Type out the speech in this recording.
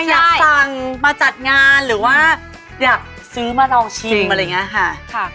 อยากสั่งมาจัดงานหรือว่าอยากซื้อมาลองชิมอะไรอย่างนี้ค่ะ